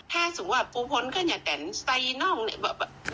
แล้วเข้าใจแล้วถ้าสมมุติว่าปูพ้นก็เนี้ยแต่ใส่นอกเนี้ยแบบแบบ